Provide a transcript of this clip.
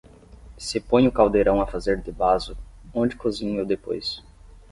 Se ponho o caldeirão a fazer de vaso, onde cozinho eu depois?